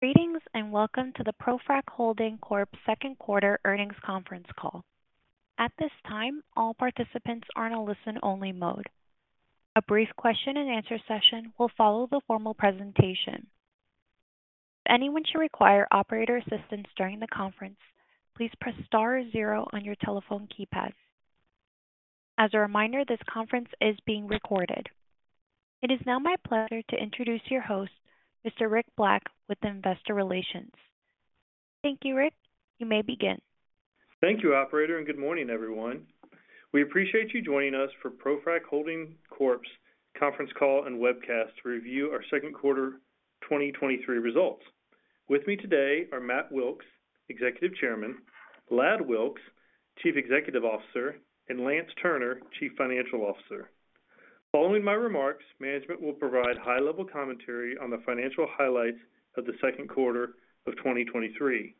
Greetings, welcome to the ProFrac Holding Corp's second quarter earnings conference call. At this time, all participants are in a listen-only mode. A brief question and answer session will follow the formal presentation. If anyone should require operator assistance during the conference, please press star zero on your telephone keypad. As a reminder, this conference is being recorded. It is now my pleasure to introduce your host, Mr. Rick Black, with Investor Relations. Thank you, Rick. You may begin. Thank you, operator, good morning, everyone. We appreciate you joining us for ProFrac Holding Corp's conference call and webcast to review our second quarter 2023 results. With me today are Matt Wilks, Executive Chairman, Ladd Wilks, Chief Executive Officer, and Lance Turner, Chief Financial Officer. Following my remarks, management will provide high-level commentary on the financial highlights of the second quarter of 2023,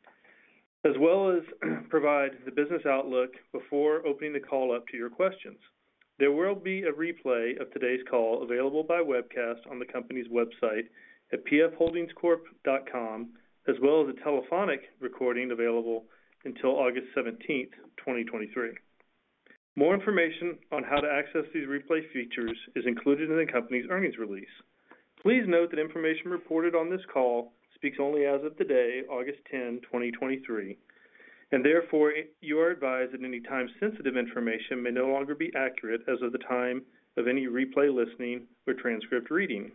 as well as, provide the business outlook before opening the call up to your questions. There will be a replay of today's call available by webcast on the company's website at www.pfholdingscorp.com, as well as a telephonic recording available until August 17th, 2023. More information on how to access these replay features is included in the company's earnings release. Please note that information reported on this call speaks only as of today, August 10, 2023, and therefore, you are advised that any time-sensitive information may no longer be accurate as of the time of any replay listening or transcript reading.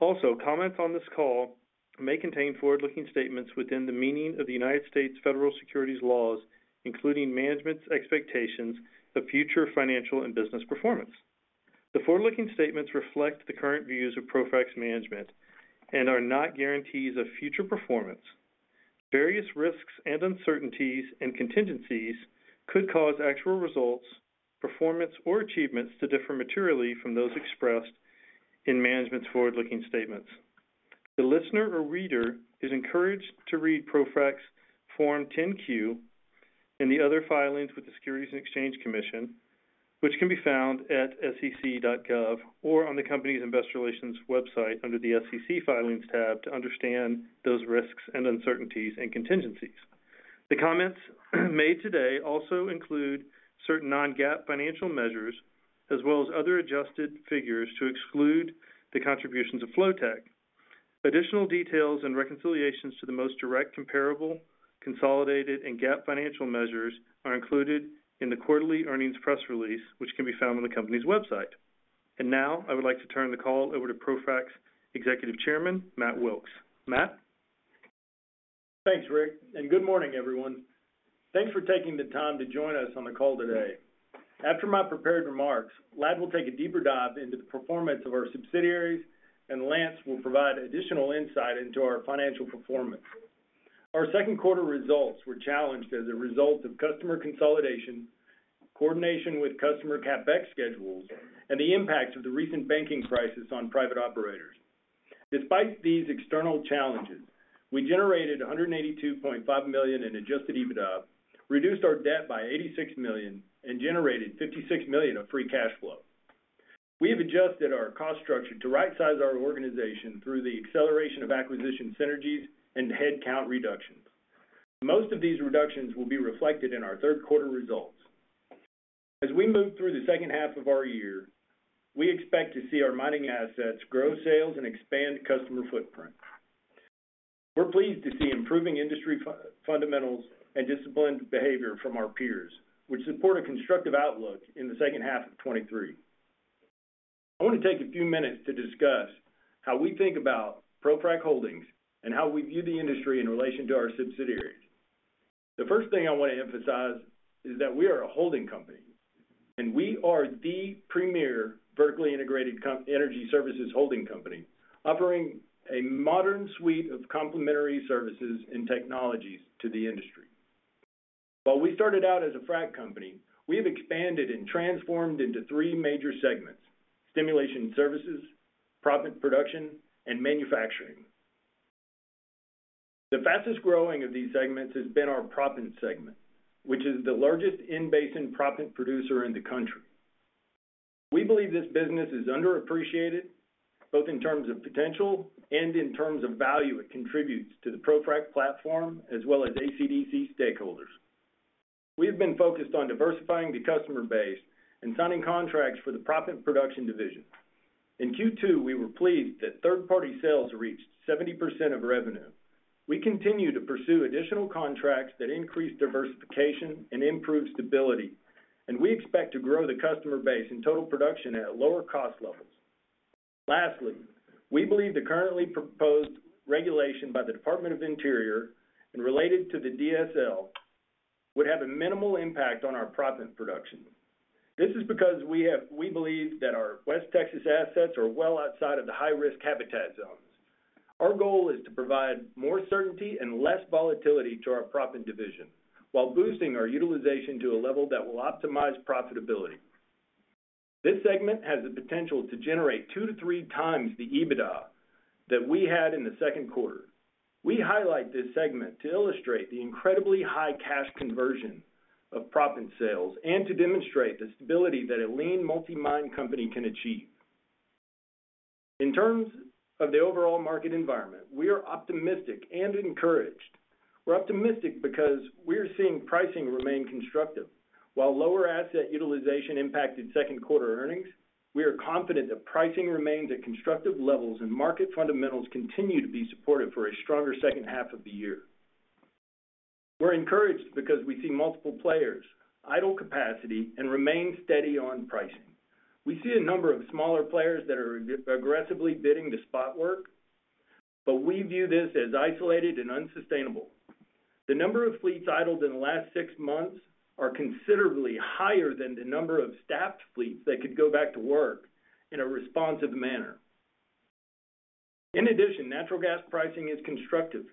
Also, comments on this call may contain forward-looking statements within the meaning of the United States federal securities laws, including management's expectations of future financial and business performance. The forward-looking statements reflect the current views of ProFrac's management and are not guarantees of future performance. Various risks and uncertainties, and contingencies could cause actual results, performance, or achievements to differ materially from those expressed in management's forward-looking statements. The listener or reader is encouraged to read ProFrac's Form 10-Q and the other filings with the Securities and Exchange Commission, which can be found at sec.gov or on the company's investor relations website under the SEC filings tab, to understand those risks, and uncertainties, and contingencies. The comments made today also include certain non-GAAP financial measures, as well as other adjusted figures to exclude the contributions of Flotek. Additional details and reconciliations to the most direct comparable, consolidated, and GAAP financial measures are included in the quarterly earnings press release, which can be found on the company's website. Now, I would like to turn the call over to ProFrac's Executive Chairman, Matt Wilks. Matt? Thanks, Rick, and good morning, everyone. Thanks for taking the time to join us on the call today. After my prepared remarks, Ladd will take a deeper dive into the performance of our subsidiaries. Lance will provide additional insight into our financial performance. Our second quarter results were challenged as a result of customer consolidation, coordination with customer CapEx schedules, and the impacts of the recent banking crisis on private operators. Despite these external challenges, we generated $182.5 million in Adjusted EBITDA, reduced our debt by $86 million, generated $56 million of free cash flow. We have adjusted our cost structure to rightsize our organization through the acceleration of acquisition synergies and headcount reductions. Most of these reductions will be reflected in our third quarter results. As we move through the second half of our year, we expect to see our mining assets grow sales and expand customer footprint. We're pleased to see improving industry fundamentals and disciplined behavior from our peers, which support a constructive outlook in the second half of 2023. I want to take a few minutes to discuss how we think about ProFrac Holdings and how we view the industry in relation to our subsidiaries. The first thing I want to emphasize is that we are a holding company, we are the premier vertically integrated energy services holding company, offering a modern suite of complementary services and technologies to the industry. While we started out as a frac company, we have expanded and transformed into three major segments: stimulation services, proppant production, and manufacturing. The fastest growing of these segments has been our proppant segment, which is the largest in-basin proppant producer in the country. We believe this business is underappreciated, both in terms of potential and in terms of value it contributes to the ProFrac platform as well as ACDC stakeholders. We've been focused on diversifying the customer base and signing contracts for the proppant production division. In Q2, we were pleased that third-party sales reached 70% of revenue. We continue to pursue additional contracts that increase diversification and improve stability. We expect to grow the customer base and total production at lower cost levels. Lastly, we believe the currently proposed regulation by the Department of the Interior and related to the DSL, would have a minimal impact on our proppant production. This is because we believe that our West Texas assets are well outside of the high-risk habitat zones. Our goal is to provide more certainty and less volatility to our proppant division, while boosting our utilization to a level that will optimize profitability. This segment has the potential to generate 2 to 3 times the EBITDA that we had in the second quarter. We highlight this segment to illustrate the incredibly high cash conversion... of proppant sales and to demonstrate the stability that a lean multi-mine company can achieve. In terms of the overall market environment, we are optimistic and encouraged. We're optimistic because we're seeing pricing remain constructive. While lower asset utilization impacted second quarter earnings, we are confident that pricing remains at constructive levels, and market fundamentals continue to be supported for a stronger second half of the year. We're encouraged because we see multiple players, idle capacity, and remain steady on pricing. We see a number of smaller players that are aggressively bidding to spot work, but we view this as isolated and unsustainable. The number of fleets idled in the last six months are considerably higher than the number of staffed fleets that could go back to work in a responsive manner. In addition, natural gas pricing is constructive,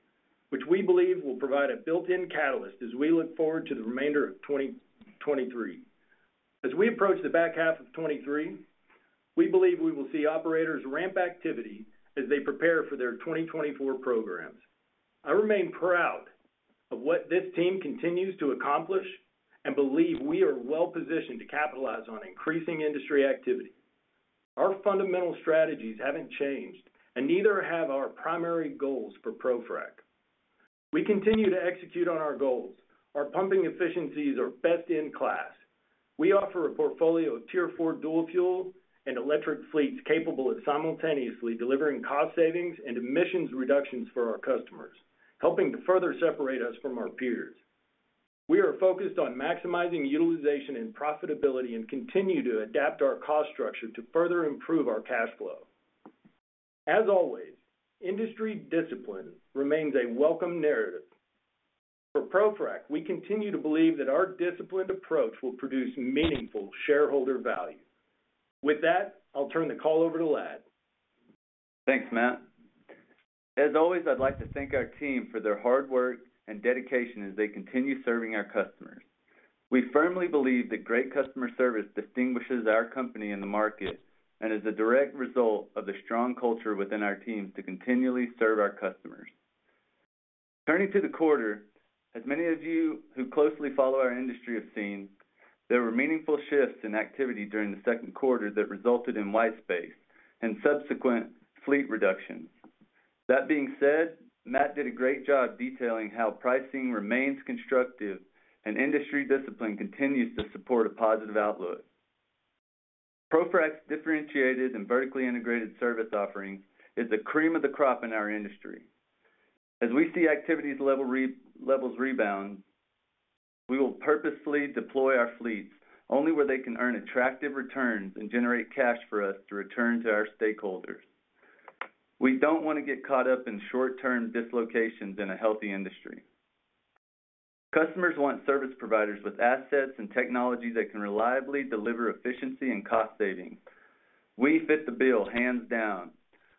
which we believe will provide a built-in catalyst as we look forward to the remainder of 2023. As we approach the back half of 2023, we believe we will see operators ramp activity as they prepare for their 2024 programs. I remain proud of what this team continues to accomplish and believe we are well positioned to capitalize on increasing industry activity. Our fundamental strategies haven't changed, and neither have our primary goals for ProFrac. We continue to execute on our goals. Our pumping efficiencies are best-in-class. We offer a portfolio of Tier 4 dual fuel and electric fleets capable of simultaneously delivering cost savings and emissions reductions for our customers, helping to further separate us from our peers. We are focused on maximizing utilization and profitability and continue to adapt our cost structure to further improve our cash flow. As always, industry discipline remains a welcome narrative. For ProFrac, we continue to believe that our disciplined approach will produce meaningful shareholder value. With that, I'll turn the call over to Ladd. Thanks, Matt. As always, I'd like to thank our team for their hard work and dedication as they continue serving our customers. We firmly believe that great customer service distinguishes our company in the market and is a direct result of the strong culture within our teams to continually serve our customers. Turning to the quarter, as many of you who closely follow our industry have seen, there were meaningful shifts in activity during the second quarter that resulted in white space and subsequent fleet reductions. Being said, Matt did a great job detailing how pricing remains constructive and industry discipline continues to support a positive outlook. ProFrac's differentiated and vertically integrated service offering is the cream of the crop in our industry. We see activities levels rebound, we will purposely deploy our fleets only where they can earn attractive returns and generate cash for us to return to our stakeholders. We don't want to get caught up in short-term dislocations in a healthy industry. Customers want service providers with assets and technologies that can reliably deliver efficiency and cost savings. We fit the bill hands down,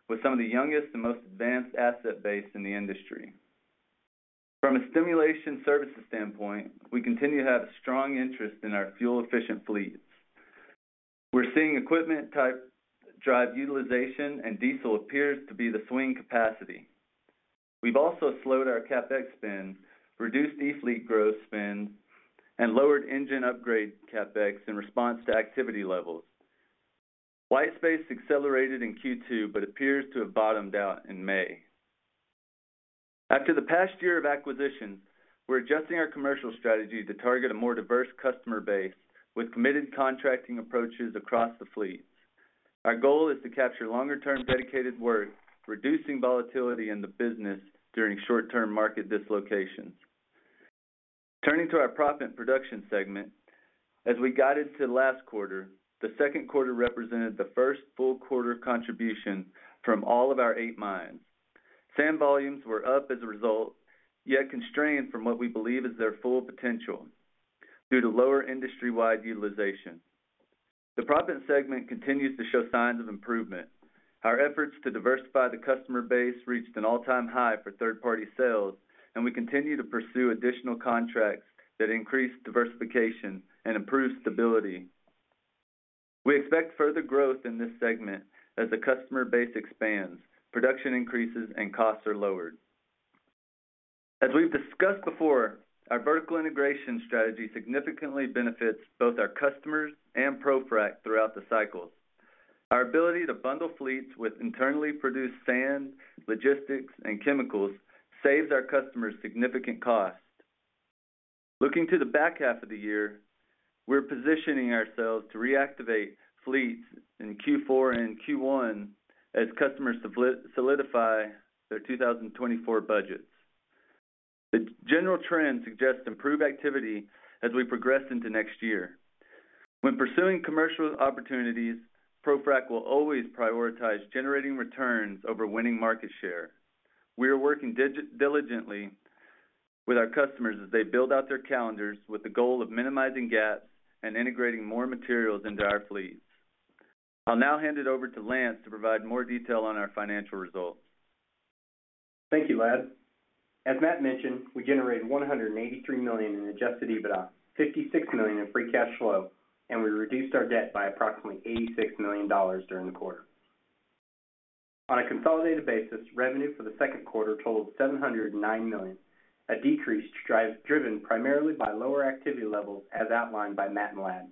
with some of the youngest and most advanced asset base in the industry. From a stimulation services standpoint, we continue to have a strong interest in our fuel-efficient fleets. We're seeing equipment type drive utilization, diesel appears to be the swing capacity. We've also slowed our CapEx spend, reduced e-fleet growth spend, lowered engine upgrade CapEx in response to activity levels. White space accelerated in Q2, appears to have bottomed out in May. After the past year of acquisition, we're adjusting our commercial strategy to target a more diverse customer base with committed contracting approaches across the fleet. Our goal is to capture longer-term dedicated work, reducing volatility in the business during short-term market dislocations. Turning to our proppant production segment, as we guided to last quarter, the second quarter represented the first full quarter contribution from all of our eight mines. Sand volumes were up as a result, yet constrained from what we believe is their full potential due to lower industry-wide utilization. The proppant segment continues to show signs of improvement. Our efforts to diversify the customer base reached an all-time high for third-party sales, and we continue to pursue additional contracts that increase diversification and improve stability. We expect further growth in this segment as the customer base expands, production increases, and costs are lowered. As we've discussed before, our vertical integration strategy significantly benefits both our customers and ProFrac throughout the cycles. Our ability to bundle fleets with internally produced sand, logistics, and chemicals saves our customers significant cost. Looking to the back half of the year, we're positioning ourselves to reactivate fleets in Q4 and Q1 as customers solidify their 2024 budgets. The general trend suggests improved activity as we progress into next year. When pursuing commercial opportunities, ProFrac will always prioritize generating returns over winning market share. We are working diligently with our customers as they build out their calendars, with the goal of minimizing gaps and integrating more materials into our fleets. I'll now hand it over to Lance to provide more detail on our financial results. Thank you, Ladd. As Matt mentioned, we generated $183 million in Adjusted EBITDA, $56 million in free cash flow. We reduced our debt by approximately $86 million during the quarter. On a consolidated basis, revenue for the second quarter totaled $709 million, a decrease driven primarily by lower activity levels, as outlined by Matt and Ladd.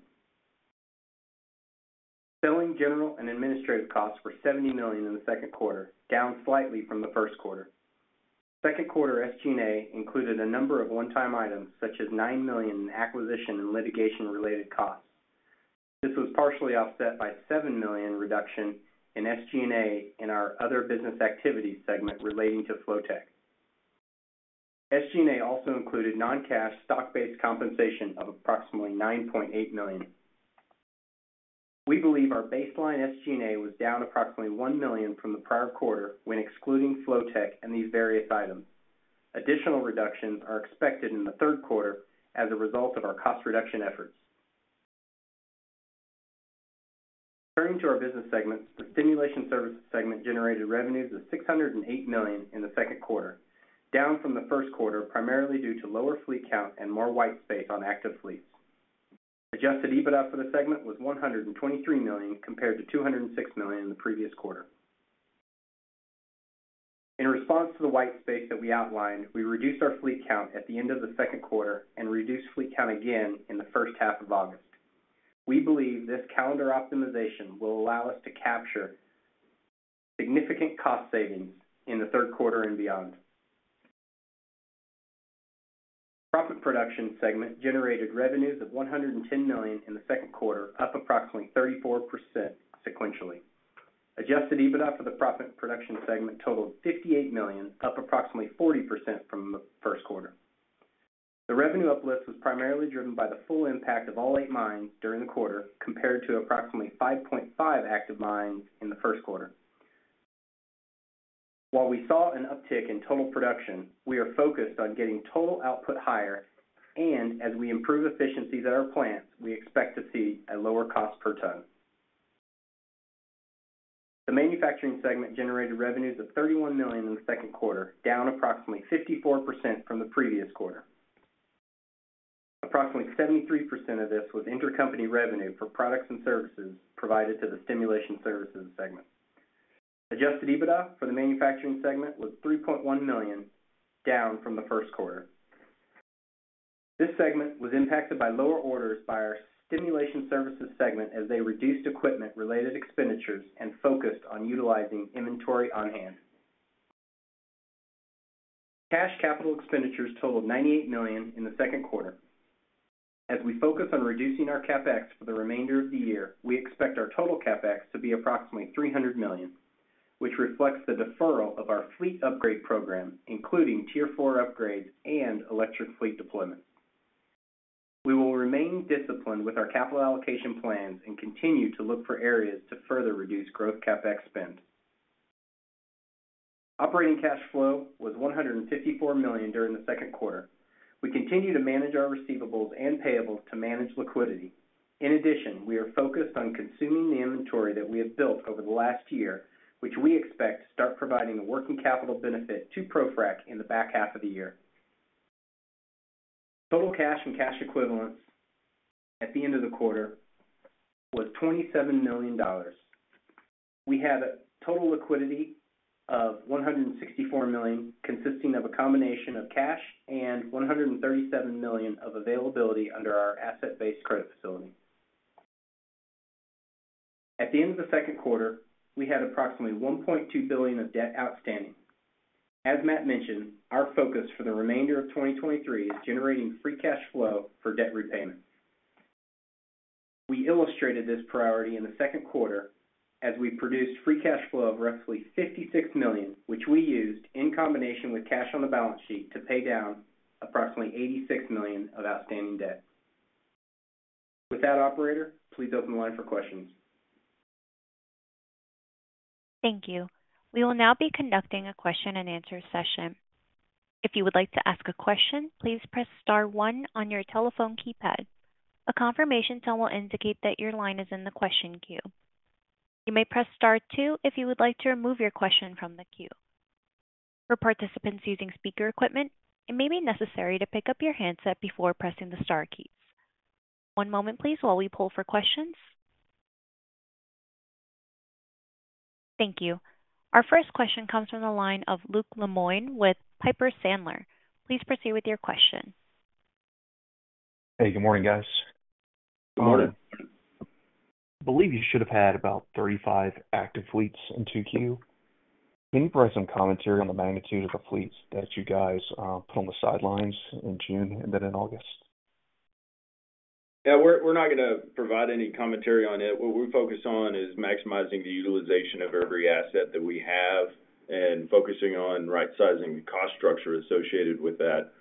Selling, general, and administrative costs were $70 million in the second quarter, down slightly from the first quarter. Second quarter SG&A included a number of one-time items, such as $9 million in acquisition and litigation-related costs. This was partially offset by $7 million reduction in SG&A in our other business activities segment relating to Flotek. SG&A also included non-cash stock-based compensation of approximately $9.8 million. We believe our baseline SG&A was down approximately $1 million from the prior quarter when excluding Flotek and these various items. Additional reductions are expected in the third quarter as a result of our cost reduction efforts. Turning to our business segments, the stimulation services segment generated revenues of $608 million in the second quarter, down from the first quarter, primarily due to lower fleet count and more white space on active fleets. Adjusted EBITDA for the segment was $123 million, compared to $206 million in the previous quarter. In response to the white space that we outlined, we reduced our fleet count at the end of the second quarter and reduced fleet count again in the first half of August. We believe this calendar optimization will allow us to capture significant cost savings in the third quarter and beyond. Proppant production segment generated revenues of $110 million in the second quarter, up approximately 34% sequentially. Adjusted EBITDA for the proppant production segment totaled $58 million, up approximately 40% from the first quarter. The revenue uplift was primarily driven by the full impact of all eight mines during the quarter, compared to approximately 5.5 active mines in the first quarter. While we saw an uptick in total production, we are focused on getting total output higher, and as we improve efficiencies at our plants, we expect to see a lower cost per ton. The manufacturing segment generated revenues of $31 million in the second quarter, down approximately 54% from the previous quarter. Approximately 73% of this was intercompany revenue for products and services provided to the stimulation services segment. Adjusted EBITDA for the manufacturing segment was $3.1 million, down from the first quarter. This segment was impacted by lower orders by our stimulation services segment, as they reduced equipment-related expenditures and focused on utilizing inventory on hand. Cash capital expenditures totaled $98 million in the second quarter. As we focus on reducing our CapEx for the remainder of the year, we expect our total CapEx to be approximately $300 million, which reflects the deferral of our fleet upgrade program, including Tier 4 upgrades and electric fleet deployment. We will remain disciplined with our capital allocation plans and continue to look for areas to further reduce growth CapEx spend. Operating cash flow was $154 million during the second quarter. We continue to manage our receivables and payables to manage liquidity. In addition, we are focused on consuming the inventory that we have built over the last year, which we expect to start providing a working capital benefit to ProFrac in the back half of the year. Total cash and cash equivalents at the end of the quarter was $27 million. We had a total liquidity of $164 million, consisting of a combination of cash and $137 million of availability under our asset-based credit facility. At the end of the second quarter, we had approximately $1.2 billion of debt outstanding. As Matt mentioned, our focus for the remainder of 2023 is generating free cash flow for debt repayment. We illustrated this priority in the second quarter as we produced free cash flow of roughly $56 million, which we used in combination with cash on the balance sheet to pay down approximately $86 million of outstanding debt. With that, operator, please open the line for questions. Thank you. We will now be conducting a question and answer session. If you would like to ask a question, please press star one on your telephone keypad. A confirmation tone will indicate that your line is in the question queue. You may press Star two if you would like to remove your question from the queue. For participants using speaker equipment, it may be necessary to pick up your handset before pressing the star keys. One moment please, while we pull for questions. Thank you. Our first question comes from the line of Luke Lemoine with Piper Sandler. Please proceed with your question. Hey, good morning, guys. Good morning. I believe you should have had about 35 active fleets in 2Q. Can you provide some commentary on the magnitude of the fleets that you guys put on the sidelines in June and then in August? Yeah, we're, we're not gonna provide any commentary on it. What we're focused on is maximizing the utilization of every asset that we have and focusing on right sizing the cost structure associated with that.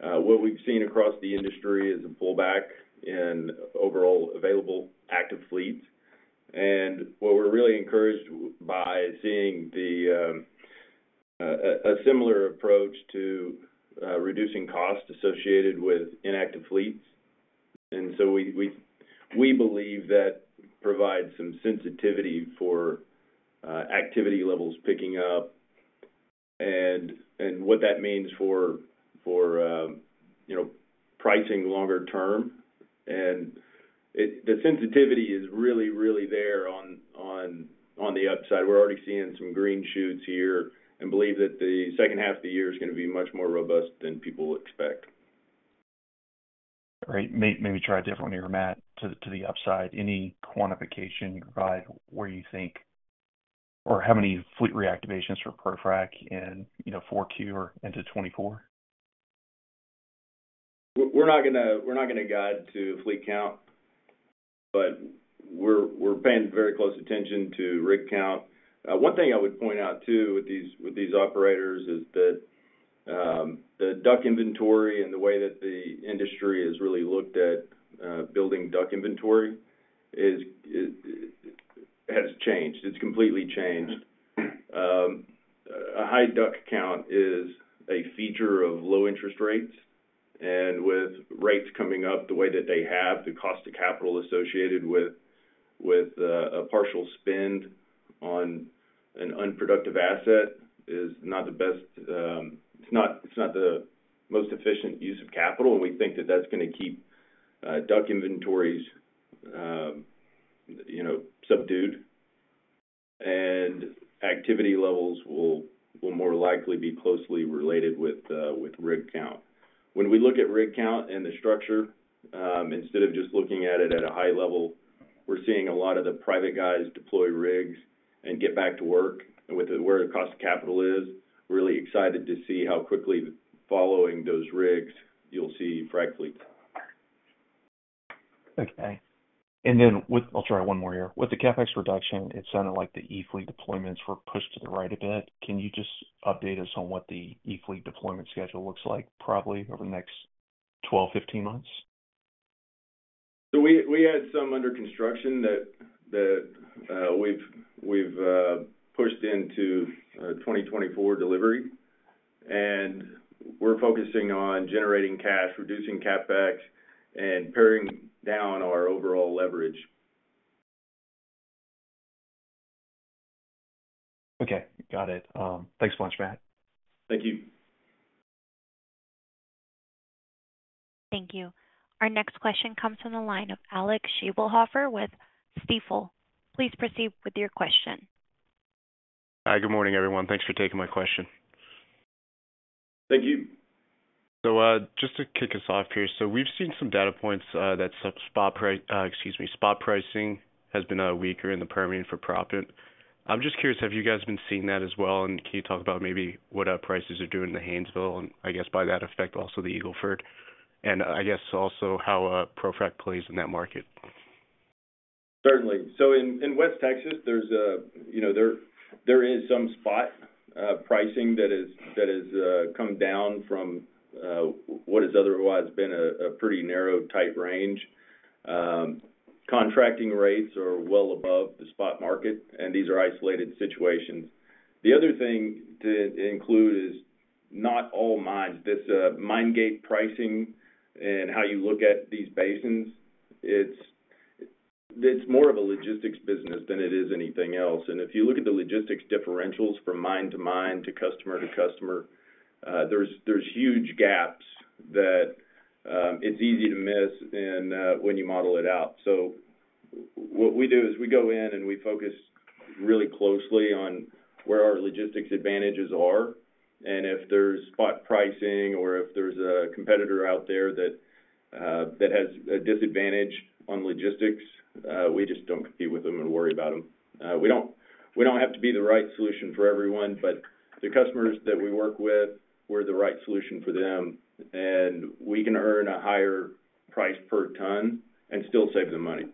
What we've seen across the industry is a pullback in overall available active fleets, and what we're really encouraged by seeing a similar approach to reducing costs associated with inactive fleets. So we believe that provides some sensitivity for activity levels picking up and what that means for pricing longer term, and it, the sensitivity is really, really there on the upside. We're already seeing some green shoots here and believe that the second half of the year is gonna be much more robust than people expect. Great. Maybe try a different one here, Matt, to the upside. Any quantification guide where you think or how many fleet reactivations for ProFrac in, you know, 4Q or into 2024? We're, we're not gonna, we're not gonna guide to fleet count, but we're, we're paying very close attention to rig count. One thing I would point out, too, with these, with these operators is that the DUC inventory and the way that the industry has really looked at building DUC inventory has changed. It's completely changed. A high DUC count is a feature of low interest rates, and with rates coming up the way that they have, the cost of capital associated with, with a partial spend on an unproductive asset is not the best. It's not, it's not the most efficient use of capital, and we think that that's gonna keep DUC inventories, you know, subdued. And activity levels will, will more likely be closely related with rig count. When we look at rig count and the structure, instead of just looking at it at a high level, we're seeing a lot of the private guys deploy rigs and get back to work with where the cost of capital is. Really excited to see how quickly following those rigs you'll see frac fleet. Okay. I'll try one more here. With the CapEx reduction, it sounded like the e-fleet deployments were pushed to the right a bit. Can you just update us on what the e-fleet deployment schedule looks like, probably over the next 12, 15 months? We, we had some under construction that, that, we've, we've, pushed into, 2024 delivery, and we're focusing on generating cash, reducing CapEx, and paring down our overall leverage. Okay, got it. Thanks so much, Matt. Thank you. Thank you. Our next question comes from the line of Stephen Gengaro with Stifel. Please proceed with your question. Hi, good morning, everyone. Thanks for taking my question. Thank you. Just to kick us off here. We've seen some data points that spot, excuse me, spot pricing has been weaker in the Permian for proppant. I'm just curious, have you guys been seeing that as well? Can you talk about maybe what prices are doing in the Haynesville, and I guess by that effect, also the Eagle Ford? I guess also how ProFrac plays in that market? Certainly. In, in West Texas, there's a, you know, there, there is some spot pricing that is, that has come down from what has otherwise been a pretty narrow, tight range. Contracting rates are well above the spot market. These are isolated situations. The other thing to include is not all mines. This mine gate pricing and how you look at these basins, it's, it's more of a logistics business than it is anything else. If you look at the logistics differentials from mine to mine, to customer to customer, there's, there's huge gaps that it's easy to miss and when you model it out. What we do is we go in and we focus really closely on where our logistics advantages are, and if there's spot pricing or if there's a competitor out there that has a disadvantage on logistics, we just don't compete with them and worry about them. We don't, we don't have to be the right solution for everyone, but the customers that we work with, we're the right solution for them, and we can earn a higher price per ton and still save them money.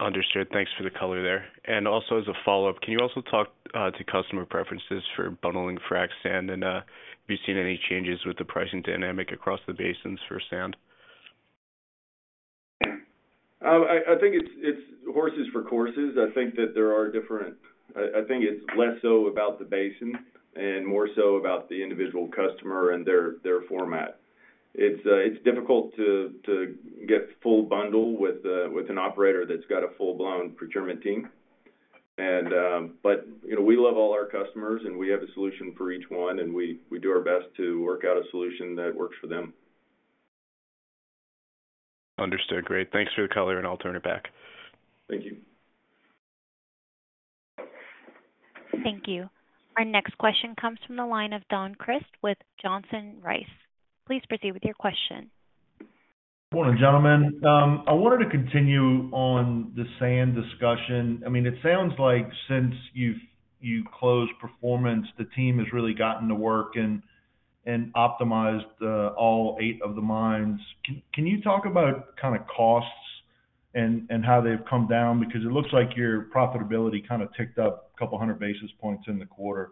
Understood. Thanks for the color there. Also, as a follow-up, can you also talk to customer preferences for bundling frac sand? Have you seen any changes with the pricing dynamic across the basins for sand? I think it's horses for courses. I think that there are. I think it's less so about the basin and more so about the individual customer and their format. It's difficult to get full bundle with an operator that's got a full-blown procurement team. But, you know, we love all our customers, and we have a solution for each one, and we do our best to work out a solution that works for them. Understood. Great. Thanks for the color, and I'll turn it back. Thank you. Thank you. Our next question comes from the line of Don Crist with Johnson Rice. Please proceed with your question. Morning, gentlemen. I wanted to continue on the sand discussion. I mean, it sounds like since you've closed Performance, the team has really gotten to work and optimized all eight of the mines. Can you talk about kind of costs and how they've come down? Because it looks like your profitability kind of ticked up a couple hundred basis points in the quarter.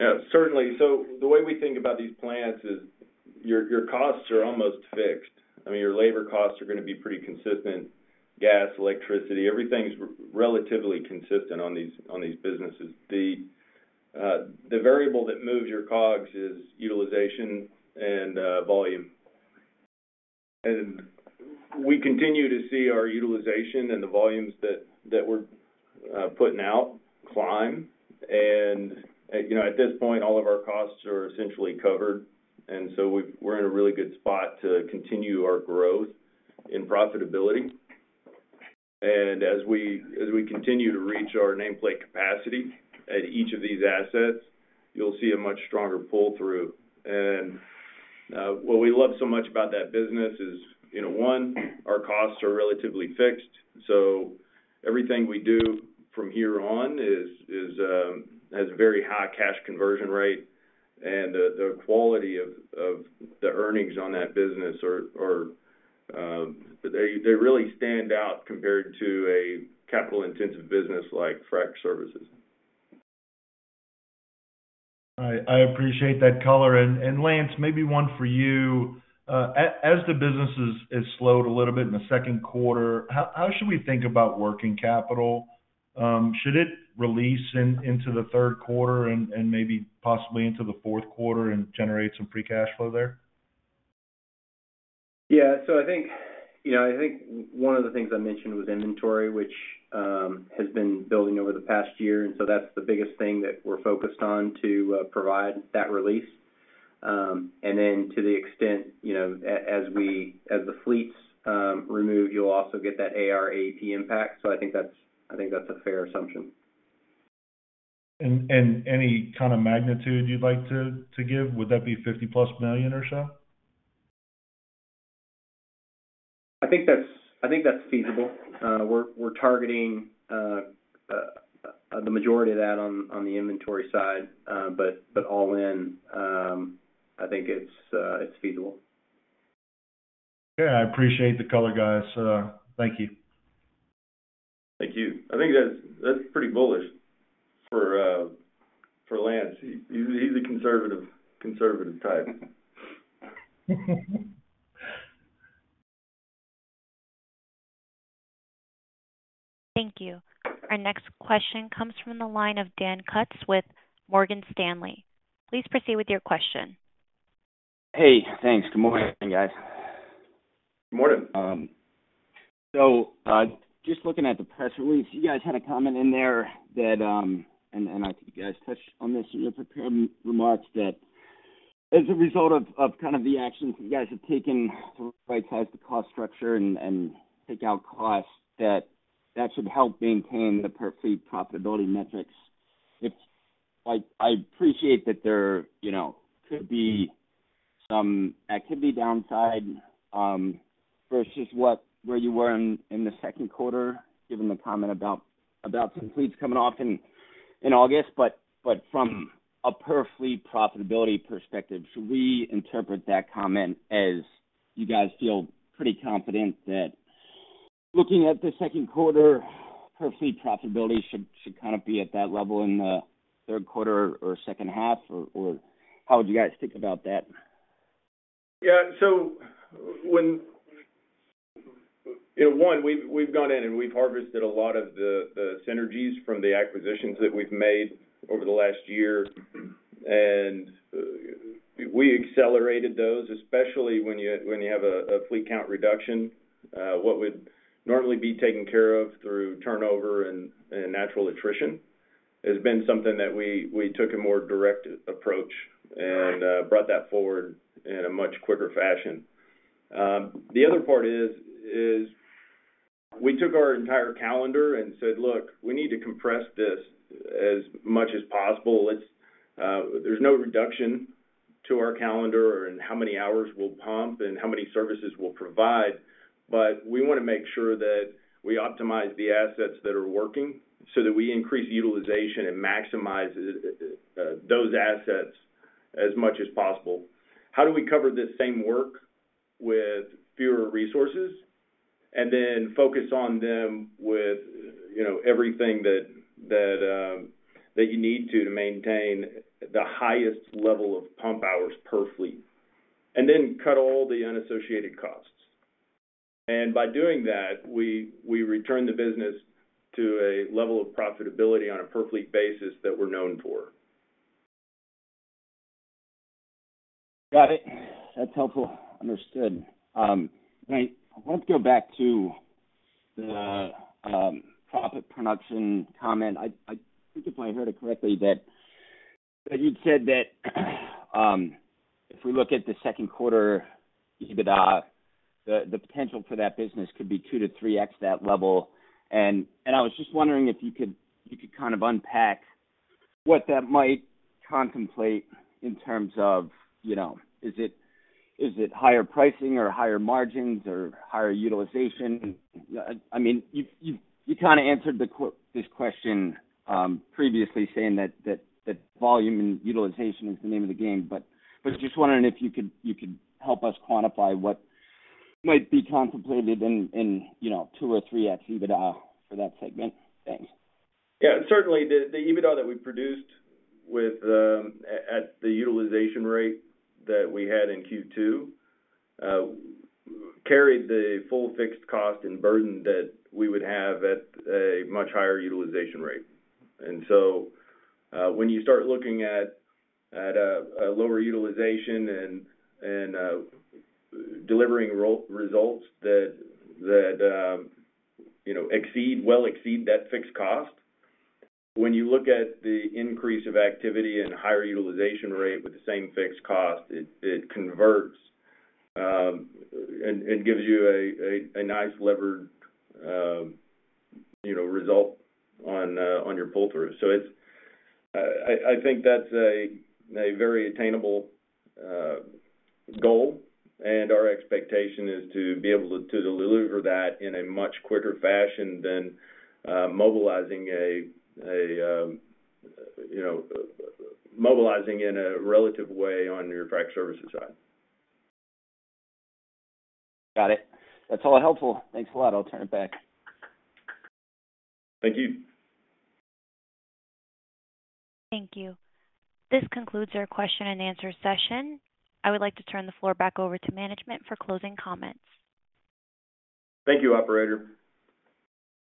Yeah, certainly. The way we think about these plants is your, your costs are almost fixed. I mean, your labor costs are gonna be pretty consistent. Gas, electricity, everything's relatively consistent on these, on these businesses. The variable that moves your COGS is utilization and volume. We continue to see our utilization and the volumes that, that we're putting out climb. You know, at this point, all of our costs are essentially covered, and so we're in a really good spot to continue our growth in profitability. As we, as we continue to reach our nameplate capacity at each of these assets, you'll see a much stronger pull-through. What we love so much about that business is, you know, one, our costs are relatively fixed, so everything we do from here on is, has a very high cash conversion rate, and the quality of the earnings on that business are, really stand out compared to a capital-intensive business like frac services. I, I appreciate that color. Lance, maybe one for you. As the business has, has slowed a little bit in the second quarter, how, how should we think about working capital? Should it release in, into the third quarter and maybe possibly into the fourth quarter and generate some free cash flow there? Yeah. I think, you know, I think one of the things I mentioned was inventory, which has been building over the past year. That's the biggest thing that we're focused on to provide that release. To the extent, you know, as we as the fleets remove, you'll also get that AR AP impact. I think that's, I think that's a fair assumption. Any kind of magnitude you'd like to give? Would that be $50+ million or so? I think that's, I think that's feasible. We're, we're targeting, the majority of that on, on the inventory side. But, but all in, I think it's, it's feasible. Yeah, I appreciate the color, guys. Thank you. Thank you. I think that's, that's pretty bullish for, for Lance. He, he's a conservative, conservative type. Thank you. Our next question comes from the line of Daniel Kutz with Morgan Stanley. Please proceed with your question. Hey, thanks. Good morning, guys. Good morning. Just looking at the press release, you guys had a comment in there that, and, and I think you guys touched on this in your prepared remarks, that as a result of, of kind of the actions you guys have taken to rightsize the cost structure and, and take out costs, that that should help maintain the per fleet profitability metrics. It's. I, I appreciate that there, you know, could be some activity downside, versus where you were in, in the second quarter, given the comment about, about some fleets coming off in, in August. From a per fleet profitability perspective, should we interpret that comment as you guys feel pretty confident that looking at the second quarter, per fleet profitability should kind of be at that level in the third quarter or second half, or how would you guys think about that? Yeah. You know, we've, we've gone in and we've harvested a lot of the, the synergies from the acquisitions that we've made over the last year. We accelerated those, especially when you, when you have a, a fleet count reduction. What would normally be taken care of through turnover and, and natural attrition, has been something that we, we took a more direct approach and brought that forward in a much quicker fashion. The other part is, is we took our entire calendar and said, "Look, we need to compress this as much as possible." Let's there's no reduction to our calendar or in how many hours we'll pump and how many services we'll provide, but we want to make sure that we optimize the assets that are working, so that we increase utilization and maximize those assets as much as possible. How do we cover the same work with fewer resources and then focus on them with, you know, everything that, that you need to maintain the highest level of pump hours per fleet, and then cut all the unassociated costs? By doing that, we, we return the business to a level of profitability on a per fleet basis that we're known for. Got it. That's helpful. Understood. I want to go back to the proppant production comment. I, I think, if I heard it correctly, that you'd said that if we look at the second quarter EBITDA, the, the potential for that business could be 2 to 3x that level. I was just wondering if you could, if you could kind of unpack what that might contemplate in terms of, you know, is it, is it higher pricing or higher margins or higher utilization? I, I mean, you, you, you kind of answered this question previously, saying that, that, that volume and utilization is the name of the game. Just wondering if you could, you could help us quantify what might be contemplated in, in, you know, 2 or 3x EBITDA for that segment. Thanks. Yeah, certainly the EBITDA that we produced with the at the utilization rate that we had in Q2, carried the full fixed cost and burden that we would have at a much higher utilization rate. When you start looking at a lower utilization and delivering results that, you know, exceed, well exceed that fixed cost, when you look at the increase of activity and higher utilization rate with the same fixed cost, it converts and gives you a nice levered, you know, result on your pull-through. It's... I, I think that's a, a very attainable, goal, and our expectation is to be able to, to deliver that in a much quicker fashion than, mobilizing a, a, you know, mobilizing in a relative way on your frac services side. Got it. That's all helpful. Thanks a lot. I'll turn it back. Thank you. Thank you. This concludes our question and answer session. I would like to turn the floor back over to management for closing comments. Thank you, operator.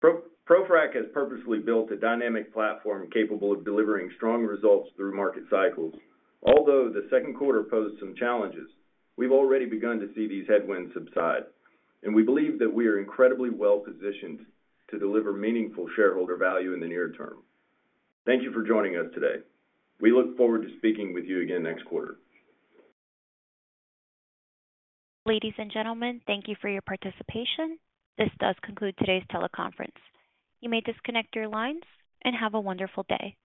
ProFrac has purposely built a dynamic platform capable of delivering strong results through market cycles. Although the second quarter posed some challenges, we've already begun to see these headwinds subside, and we believe that we are incredibly well positioned to deliver meaningful shareholder value in the near term. Thank you for joining us today. We look forward to speaking with you again next quarter. Ladies and gentlemen, thank you for your participation. This does conclude today's teleconference. You may disconnect your lines, and have a wonderful day.